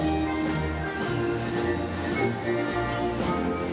mendengarkan indp negara untuk mengakses xia perjuangan yang akan mulaiki